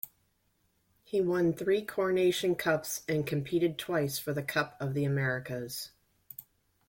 He won three Coronation Cups, and competed twice for the Cup of the Americas.